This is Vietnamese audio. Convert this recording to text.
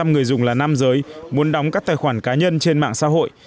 năm mươi ba người dùng là nam giới muốn đóng các tài khoản cá nhân trên mạng xã hội